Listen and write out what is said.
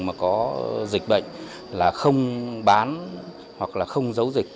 mà có dịch bệnh là không bán hoặc là không giấu dịch